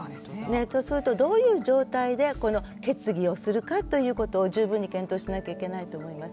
そうするとどういう状態でこの決議をするかっていうことを十分に検討しなきゃいけないと思います。